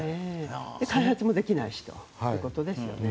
開発もできないしということですよね。